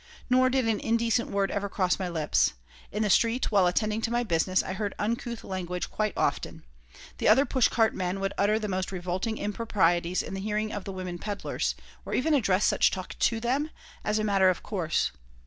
Nor did an indecent word ever cross my lips. In the street, while attending to my business, I heard uncouth language quite often. The other push cart men would utter the most revolting improprieties in the hearing of the women peddlers, or even address such talk to them, as a matter of course.